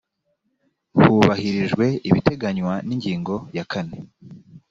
hubahirijwe ibiteganywa n ingingo yakane